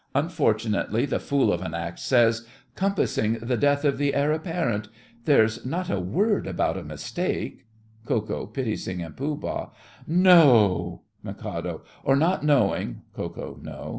Unfortunately, the fool of an Act says "compassing the death of the Heir Apparent." There's not a word about a mistake—— KO., PITTI., and POOH. No! MIK. Or not knowing—— KO. No!